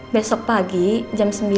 besok pagi jam sembilan